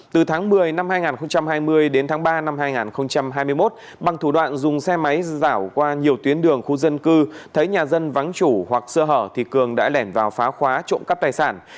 từ tháng một mươi năm hai nghìn hai mươi đến tháng ba năm hai nghìn hai mươi một bằng thủ đoạn dùng xe máy giảo qua nhiều tuyến đường khu dân cư thấy nhà dân vắng chủ hoặc sơ hở thì cường đã lẻn vào phá khóa trộm cắp tài sản